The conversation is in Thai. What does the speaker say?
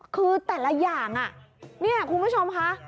คือแต่ละอย่างนี่คุณผู้ชมค่ะ